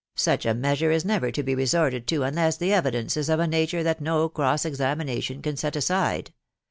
tc Such a measure is never to be resorted to unless the evidence is of a nature that no cross examination can set aside.